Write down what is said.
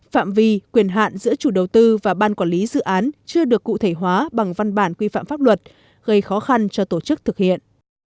phạm vi quyền hạn giữa chủ đầu tư và ban quản lý dự án chưa được cụ thể hóa bằng văn bản quy phạm pháp luật gây khó khăn cho tổ chức thực hiện